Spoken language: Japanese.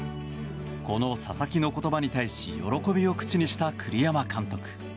この佐々木の言葉に対し喜びを口にした栗山監督。